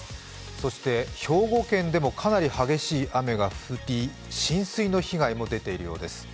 そして兵庫県でもかなり激しい雨が降り浸水の被害も出ているようです。